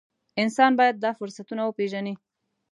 انسان باید دا فرصتونه وپېژني.